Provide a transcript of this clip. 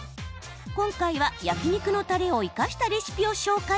今回は、焼き肉のたれを生かしたレシピを紹介。